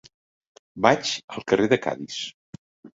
Vaig al carrer de Cadis.